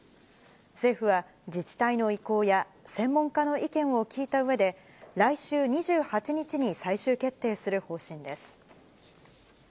政府は自治体の意向や専門家の意見を聞いたうえで、来週２８日に最終決定する方針です。